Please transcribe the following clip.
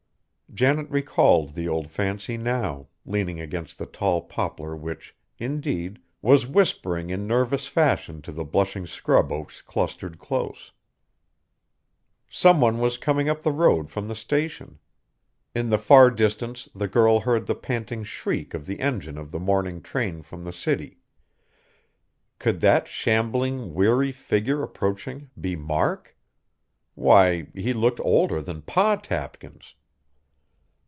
Janet recalled the old fancy now, leaning against the tall poplar which, indeed, was whispering in nervous fashion to the blushing scrub oaks clustering close. Some one was coming up the road from the station. In the far distance the girl heard the panting shriek of the engine of the morning train from the city. Could that shambling, weary figure approaching be Mark? Why, he looked older than Pa Tapkins!